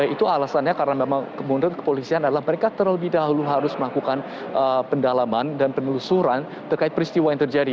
itu alasannya karena memang menurut kepolisian adalah mereka terlebih dahulu harus melakukan pendalaman dan penelusuran terkait peristiwa yang terjadi